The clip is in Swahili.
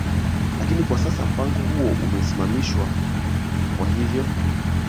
Lakini kwa sasa mpango huo umesimamishwa Kwa hivyo